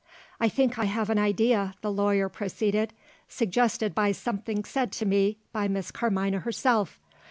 "I think I have an idea," the lawyer proceeded; "suggested by something said to me by Miss Carmina herself.